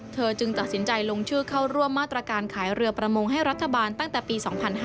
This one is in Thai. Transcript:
จึงตัดสินใจลงชื่อเข้าร่วมมาตรการขายเรือประมงให้รัฐบาลตั้งแต่ปี๒๕๕๙